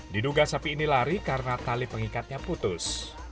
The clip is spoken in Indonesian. diduga sapi ini lari karena tali pengikatnya putus